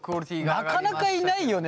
なかなかいないよね。